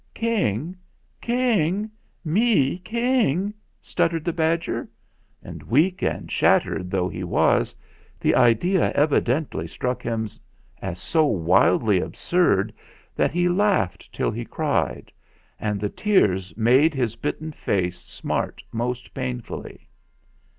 "King King me King!" stuttered the badger; and, weak and shattered though he was, the idea evidently struck him as so wildly absurd that he laughed till he cried; and the tears made his bitten face smart most pain fully.